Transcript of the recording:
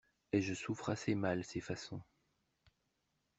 Et je souffre assez mal ces façons!